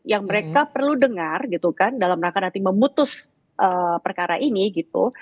yang mereka perlu dengar gitu kan dalam rangka nanti memutus perkara ini gitu